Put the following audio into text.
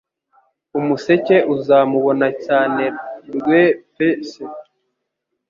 Umuseke uzamubona cyane rwpse